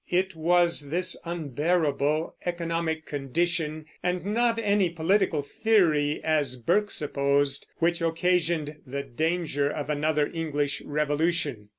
It was this unbearable economic condition, and not any political theory, as Burke supposed, which occasioned the danger of another English revolution.